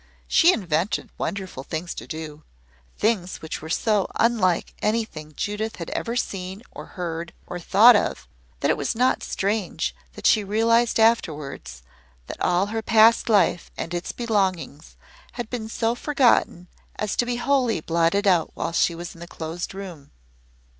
She invented wonderful things to do things which were so unlike anything Judith had ever seen or heard or thought of that it was not strange that she realized afterwards that all her past life and its belongings had been so forgotten as to be wholly blotted out while she was in the Closed Room.